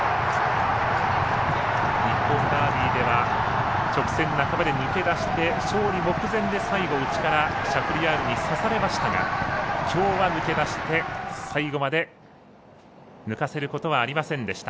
日本ダービーでは直線半ばで抜け出して勝利目前で最後、内からシャフリヤールにさされましたがきょうは抜け出して最後まで抜かせることはありませんでした。